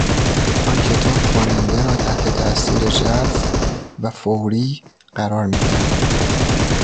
آن کتاب خواننده را تحت تاءثیر ژرف و فوری قرار میدهد.